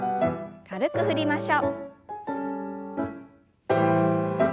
軽く振りましょう。